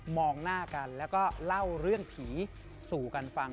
องหน้ากันแล้วก็เล่าเรื่องผีสู่กันฟัง